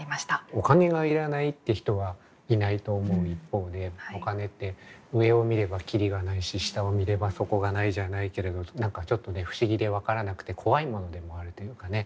お金が要らないって人はいないと思う一方でお金って上を見ればキリがないし下を見れば底がないじゃないけれど何かちょっとね不思議で分からなくて怖いものでもあるというかね。